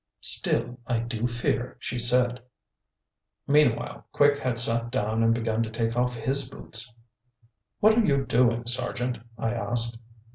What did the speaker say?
"Still I do fear," she said. Meanwhile Quick had sat down and begun to take off his boots. "What are you doing, Sergeant?" I asked.